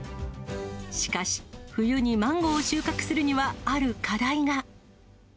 しかし冬にマンゴーを収穫するには、ある課題が。